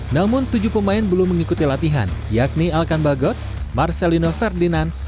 namun tujuh pemain belum mengikuti latihan yakni alkan bagot marcelino ferdinand